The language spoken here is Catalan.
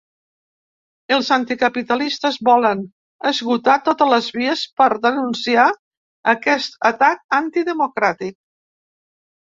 Els anticapitalistes volen esgotar totes les vies per denunciar aquest atac antidemocràtic.